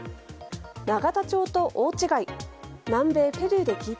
永田町と大違い。